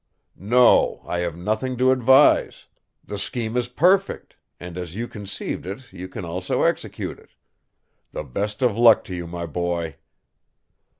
"No, I have nothing to advise. The scheme is perfect, and as you conceived it you can also execute it. The best of luck to you, my boy."